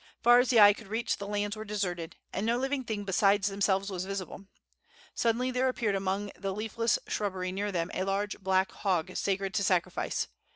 Far as the eye could reach the lands were deserted, and no living thing beside themselves was visible. Suddenly there appeared among the leafless shrubbery near them a large black hog sacred to sacrifice.